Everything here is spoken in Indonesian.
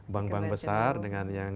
bank bank besar dengan yang